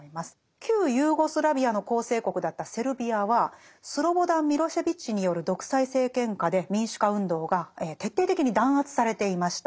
旧ユーゴスラビアの構成国だったセルビアはスロボダン・ミロシェヴィッチによる独裁政権下で民主化運動が徹底的に弾圧されていました。